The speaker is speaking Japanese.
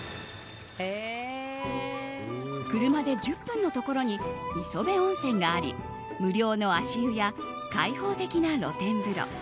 車で１０分のところに磯部温泉があり無料の足湯や開放的な露天風呂。